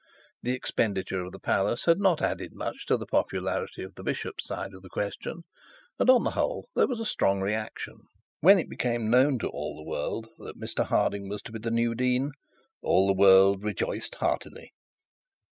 The expenditure of the palace had not added greatly to the popularity of the bishop's side of the question; and, on the whole, there was a strong reaction. When it became known to all the world that Mr Harding was to be the new dean, all the world rejoiced heartily.